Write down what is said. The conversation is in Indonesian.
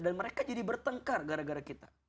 dan mereka jadi bertengkar gara gara kita